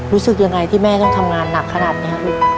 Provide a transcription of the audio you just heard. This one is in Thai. รู้สึกยังไงที่แม่ต้องทำงานหนักขนาดนี้ครับ